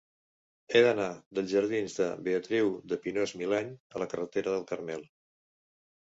He d'anar dels jardins de Beatriu de Pinós-Milany a la carretera del Carmel.